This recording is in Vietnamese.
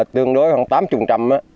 tương đối khoảng tám mươi trăm